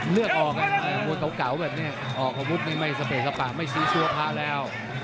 เลือกออกกับมวยเก่าแบบนี้ออกข้อมูลไม่สเปกสปะไม่ซี้ชั่วพาแล้ว